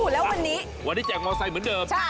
แล้ววันนี้วันนี้แจกมอไซค์เหมือนเดิม